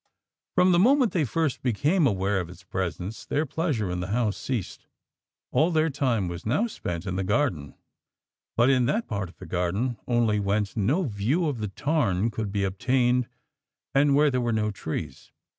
From the moment they first became aware of its presence, their pleasure in the house ceased; all their time was now spent in the garden, but in that part of the garden only whence no view of the tarn could be obtained and where there were no trees.